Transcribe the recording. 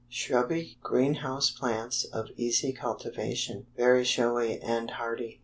Shrubby green house plants of easy cultivation. Very showy and hardy.